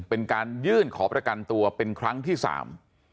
เป็นการยื่นขอประกันตัวเป็นครั้งที่สาม